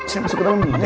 saya masuk ke dalam dulu